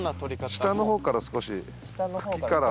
下の方から少し茎から。